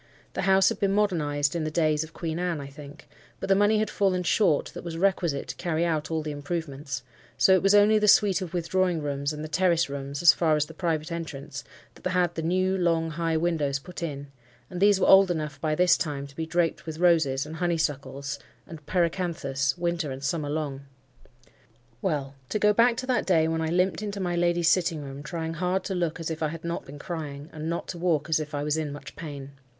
The house had been modernized in the days of Queen Anne, I think; but the money had fallen short that was requisite to carry out all the improvements, so it was only the suite of withdrawing rooms and the terrace rooms, as far as the private entrance, that had the new, long, high windows put in, and these were old enough by this time to be draped with roses, and honeysuckles, and pyracanthus, winter and summer long. Well, to go back to that day when I limped into my lady's sitting room, trying hard to look as if I had not been crying, and not to walk as if I was in much pain.